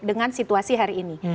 dengan situasi hari ini